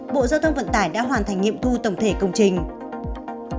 bộ giao thông vận tải đã hoàn thành nghiệm thu tổng thể công trình